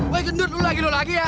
woy gendut lu lagi lu lagi ya